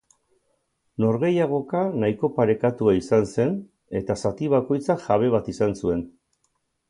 Norgehiagoka nahiko parekatua izan zen eta zati bakoitzak jabe bat izan zuen.